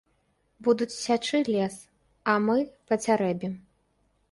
Будуць сячы лес, а мы пацярэбім.